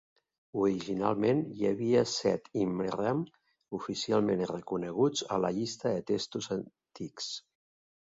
Originalment, hi havia set immram oficialment reconeguts a una llista de textos antics.